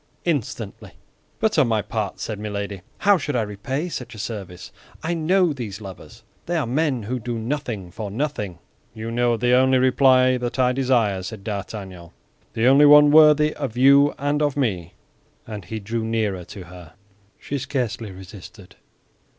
"Instantly!" "But on my part," said Milady, "how should I repay such a service? I know these lovers. They are men who do nothing for nothing." "You know the only reply that I desire," said D'Artagnan, "the only one worthy of you and of me!" And he drew nearer to her. She scarcely resisted.